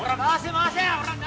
回せ！